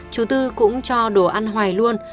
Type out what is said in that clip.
chú tư cũng cho đồ ăn hoài luôn